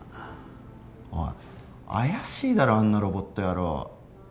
おい怪しいだろあんなロボット野郎。